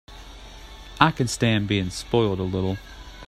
I can stand being spoiled a little.